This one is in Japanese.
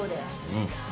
うん。